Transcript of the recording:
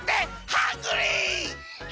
ハングリー！